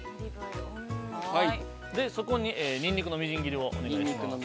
◆そこにニンニクのみじん切りをお願いします。